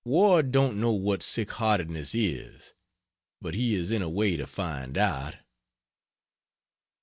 Ward don't know what sick heartedness is but he is in a way to find out."